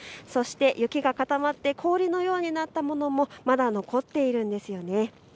そして雪がかたまって氷のようになったものもまだ残っているんですよね。